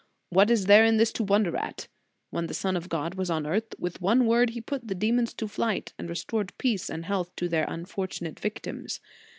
What is there in this to wonder at ? When the Son of God was on earth, with one word He put the demons to flight, and restored peace and health to their unfortunate victims.